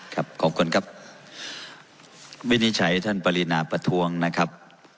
ครับขอบคุณครับวินิจฉัยท่านปรินาประท้วงนะครับ